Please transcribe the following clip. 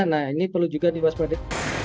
nah ini perlu juga diwaspada